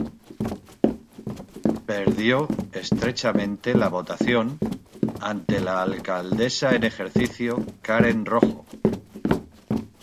Perdió estrechamente la votación ante la alcaldesa en ejercicio Karen Rojo.